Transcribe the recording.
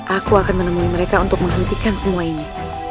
aku akan menemui mereka untuk menghentikan semua ini